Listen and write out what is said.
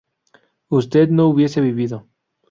usted no hubiese vivido